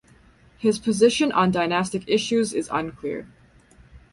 His position on dynastic issues is unclear.